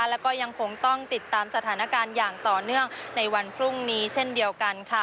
แล้วก็ยังคงต้องติดตามสถานการณ์อย่างต่อเนื่องในวันพรุ่งนี้เช่นเดียวกันค่ะ